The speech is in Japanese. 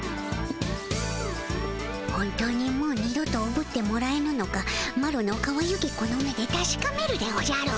本当にもう二度とおぶってもらえぬのかマロのかわゆきこの目でたしかめるでおじゃる。